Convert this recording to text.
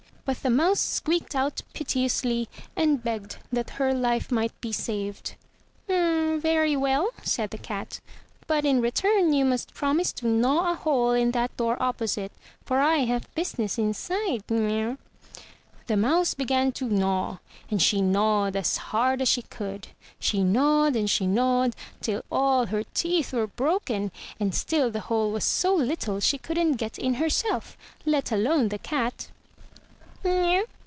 But the mouse squeaked out piteously, and begged that her Ufe might be saved. "Very well,'* said the cat; *'but in return you must promise to gnaw a hole in that door opposite, for I have business inside." The mouse began to gnaw; and she gnawed as hard as she could. She gnawed and she gnawed till all her teeth were broken; and still the hole was so httle she couldn't get in herself, let alone the cat.